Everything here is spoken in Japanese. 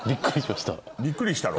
びっくりしたろ？